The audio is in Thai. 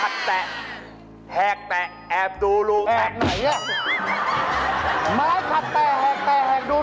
นี่พูด